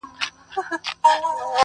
• پر لمن د ګل غونډۍ یم رغړېدلی -